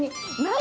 何？